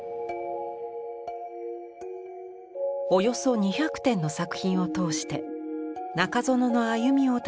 およそ２００点の作品を通して中園の歩みをたどる展覧会です。